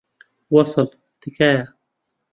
وەسڵ، تکایە.